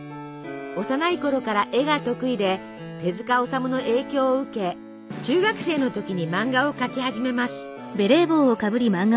幼いころから絵が得意で手治虫の影響を受け中学生の時に漫画を描き始めます。